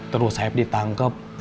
terus saeb ditangkep